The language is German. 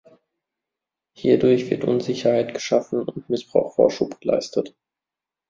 Hierdurch wird Unsicherheit geschaffen und Missbrauch Vorschub geleistet.